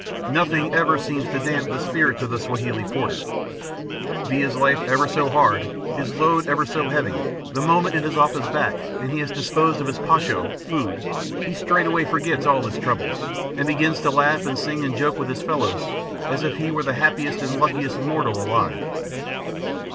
Nothing ever seems to damp the spirits of the Swahili porter. Be his life ever so hard, his load ever so heavy, the moment it is off his back and he has disposed of his posho (food), he straightway forgets all his troubles, and begins to laugh and sing and joke with his fellows as if he were the happiest and luckiest mortal alive.